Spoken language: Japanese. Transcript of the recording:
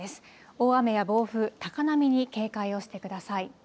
大雨や暴風、高波に警戒をしてください。